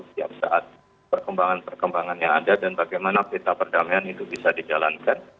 atau setiap saat perkembangan perkembangan yang ada dan bagaimana peta perdamaian itu bisa dijalankan